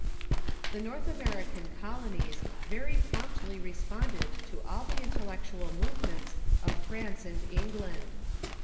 The North American colonies very promptly responded to all the intellectual movements of France and England.